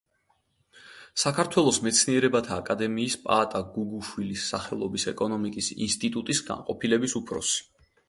საქართველოს მეცნიერებათა აკადემიის პაატა გუგუშვილის სახელობის ეკონომიკის ინსტიტუტის განყოფილების უფროსი.